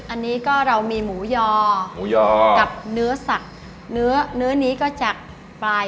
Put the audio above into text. อันนี้ก็เรามีหมูยอกับเนื้อสักเนื้อนี้ก็จากปลาย